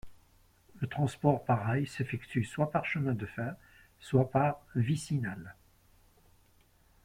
Le transport par rail s'effectue soit par chemin de fer, soit par vicinal.